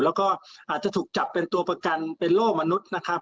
แล้วก็อาจจะถูกจับเป็นตัวประกันเป็นโลกมนุษย์นะครับ